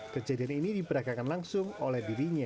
kejadian ini diperagakan langsung oleh dirinya